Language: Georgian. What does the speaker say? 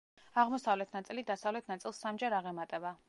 აღმოსავლეთ ნაწილი დასავლეთ ნაწილს სამჯერ აღემატება.